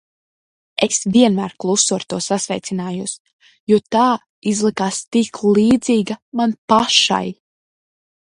Es vienmēr klusu ar to sasveicinājos, jo tā izlikās tik līdzīga man pašai.